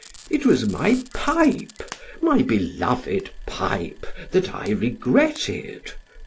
It was my pipe, my beloved pipe, that I regretted.